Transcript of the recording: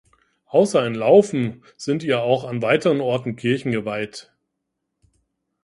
Außer in Lauffen sind ihr auch an weiteren Orten Kirchen geweiht.